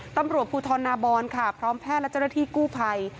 ตำรวจภูทรนาบอนค่ะพร้อมแพทย์และเจ้าหน้าที่กู้ภัย